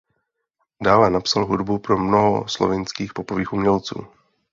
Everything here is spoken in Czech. Dále napsal hudbu pro mnoho slovinských popových umělců.